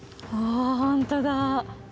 あ本当だ。